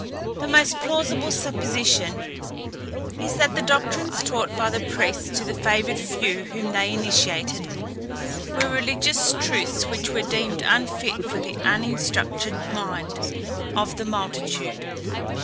The most plausible supposition is that the doctrines taught by the priests to the favoured few whom they initiated, were religious truths which were deemed unfit for the uninstructed mind of the multitude.